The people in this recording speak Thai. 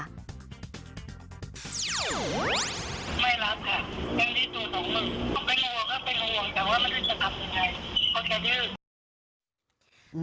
ไม่รับค่ะแม่งดีตัวตัวมึง